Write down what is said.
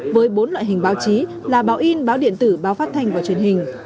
với bốn loại hình báo chí là báo in báo điện tử báo phát thanh và truyền hình